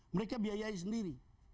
mereka biayai sendiri